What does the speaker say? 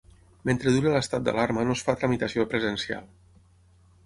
Mentre duri l'estat d'alarma no es fa tramitació presencial.